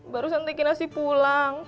barusan tegi nasi pulang